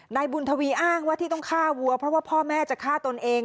นายบุญทวีอ้างว่าที่ต้องฆ่าวัวเพราะว่าพ่อแม่จะฆ่าตนเอง